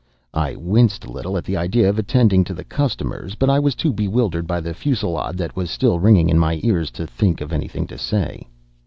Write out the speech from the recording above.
I winced a little at the idea of attending to the customers, but I was too bewildered by the fusillade that was still ringing in my ears to think of anything to say.